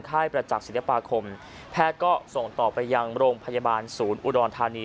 ประจักษ์ศิลปาคมแพทย์ก็ส่งต่อไปยังโรงพยาบาลศูนย์อุดรธานี